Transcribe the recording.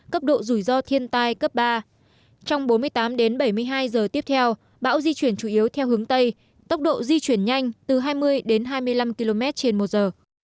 cấp độ rủi ro thiên tai cấp ba trong bốn mươi tám đến bảy mươi hai giờ tiếp theo bão di chuyển chủ yếu theo hướng tây tốc độ di chuyển nhanh từ hai mươi đến hai mươi năm km trên một giờ